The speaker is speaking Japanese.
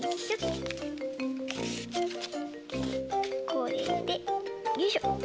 これでよいしょ。